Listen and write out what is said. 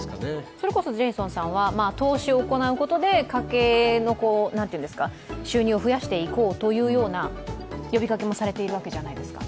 それこそジェイソンさんは投資を行うことで家計の収入を増やしていこうという呼びかけもされているわけじゃないですか。